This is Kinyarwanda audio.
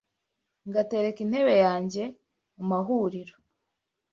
Ngatereka intebe yanjye mu muharuro,